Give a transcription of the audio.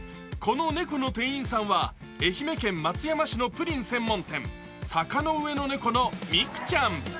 この猫の店員さんは愛媛県松山市のプリン専門店・坂の上の猫のミクちゃん。